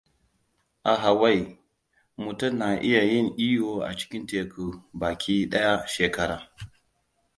A Hawaii, mutum na iya yin iyo a cikin teku baki daya shekara.